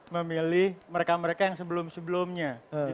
memilih mereka mereka yang sebelum sebelumnya